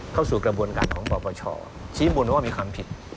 เข้าสู่กระบวนการของประวัติศาสตร์ชิมบูรณ์ว่ามีความผิด